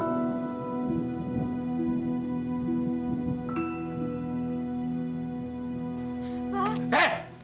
oh aku sudah ke sini